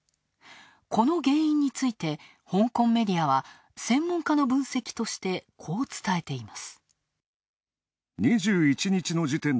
この原因について、香港メディアは専門家の分析としてこう伝えています。